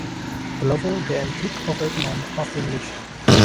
Glover then took over command of the militia.